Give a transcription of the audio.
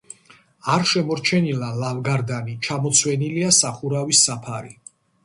არ შემორჩენილა ლავგარდანი, ჩამოცვენილია სახურავის საფარი.